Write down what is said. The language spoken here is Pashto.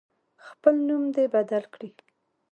خپل نوم دی بدل کړي.